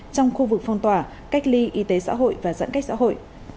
trong khu vực phong tỏa cách ly y tế xã hội và giãn cách xã hội